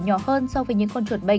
nhỏ hơn so với những con chuột bệnh